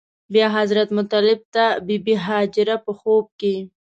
بیا حضرت مطلب ته بې بي هاجره په خوب کې.